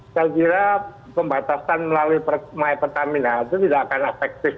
saya kira pembatasan melalui my pertamina itu tidak akan efektif